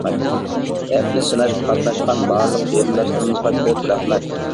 ئەپنى سىناشقا قاتناشقان بارلىق قېرىنداشلىرىمىزغا كۆپ رەھمەت.